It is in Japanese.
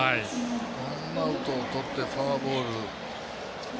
ワンアウトをとってフォアボール。